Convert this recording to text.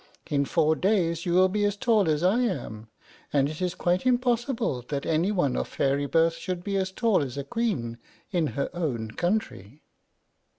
In four days you will be as tall as I am; and it is quite impossible that any one of fairy birth should be as tall as a queen in her own country."